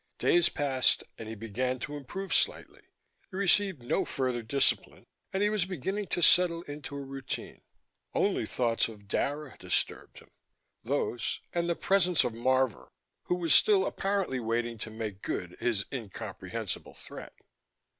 Days passed and he began to improve slightly: he received no further discipline, and he was beginning to settle into a routine. Only thoughts of Dara disturbed him those, and the presence of Marvor, who was still apparently waiting to make good his incomprehensible threat.